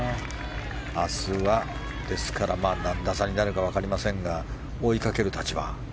明日は何打差になるか分かりませんが追いかける立場。